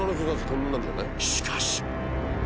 しかし